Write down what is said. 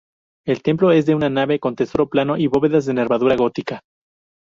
El templo es de una nave con testero plano y bóvedas de nervadura gótica.